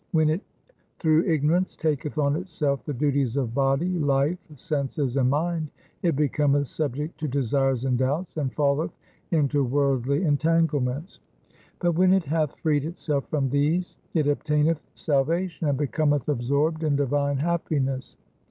When it through ignorance taketh on itself the duties of body, life, senses, and mind, it becometh subject to desires and doubts, and falleth into worldly entanglements ; but when it hath freed itself from these it obtaineth salvation and becometh absorbed in divine happiness.